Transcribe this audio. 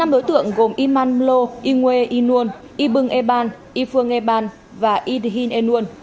năm đối tượng gồm iman mlo ingue inun ibung eban ifuong eban và idhin enun